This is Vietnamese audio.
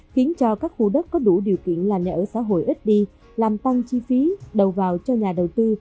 khiến cho các khu đất có đủ điều kiện là nhà ở xã hội ít đi làm tăng chi phí đầu vào cho nhà đầu tư